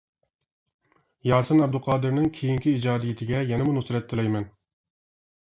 ياسىن ئابدۇقادىرنىڭ كېيىنكى ئىجادىيىتىگە يەنىمۇ نۇسرەت تىلەيمەن!